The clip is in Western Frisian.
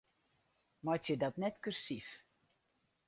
Meitsje dat net kursyf.